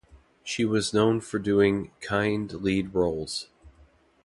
She was known for doing kind lead roles.